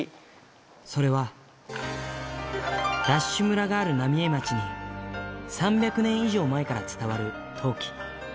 それは、ＤＡＳＨ村がある浪江町に３００年以上前から伝わる陶器。